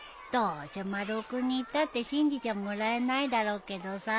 どうせ丸尾君に言ったって信じちゃもらえないだろうけどさ。